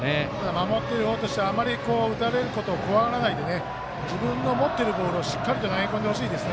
守っているほうとしてはあまり打たれることを怖がらないで自分の持ってるボールをしっかりと投げ込んでほしいです。